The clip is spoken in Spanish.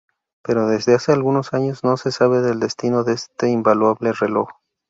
Pero desde hace algunos años no se sabe el destino de este invaluable reloj.